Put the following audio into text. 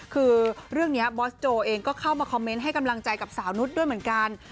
คือเรื่องนี้บอสโจเองก็เข้ามาคอมเมนต์ให้กำลังใจกับสาวนุษย์ด้วยเหมือนกัน